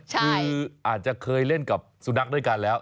คืออาจจะเคยเล่นกับสุนัขด้วยกันแล้ว